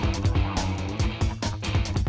tidak ada yang bisa dikunci